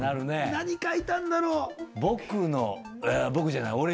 何書いたんだろう？